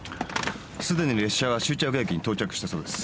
すでに列車は終着駅に到着したそうです。